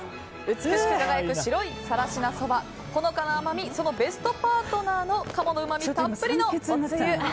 美しく輝く白いさらしなそばほのかな甘みそのベストパートナーの鴨のうまみたっぷりのおつゆ。